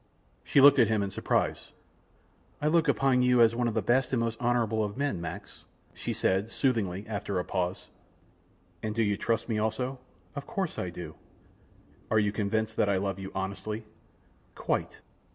She looked at him in surprise. "I look upon you as one of the best and most honorable of men, Max," she said, soothingly, after a pause. "And do you trust me also?" "Of course I do." "Are you convinced that I love you honestly?" "Quite."